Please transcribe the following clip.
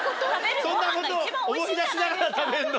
そんなことを思い出しながら食べるの？